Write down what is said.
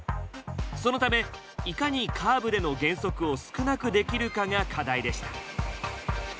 そのためいかにカーブでの減速を少なくできるかが課題でした。